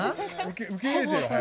受け入れてよ早く。